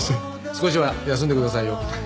少しは休んでくださいよ。